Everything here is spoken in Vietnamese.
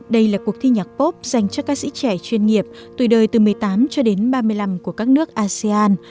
đây là cuộc thi nhạc pop dành cho ca sĩ trẻ chuyên nghiệp tuổi đời từ một mươi tám cho đến ba mươi năm của các nước asean